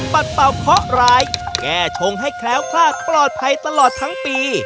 ปัดเป่าเคาะร้ายแก้ชงให้แคล้วคลาดปลอดภัยตลอดทั้งปี